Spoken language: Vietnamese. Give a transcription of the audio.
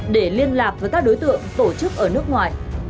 để liên lạc với các đối tượng tổ chức ở nước ngoài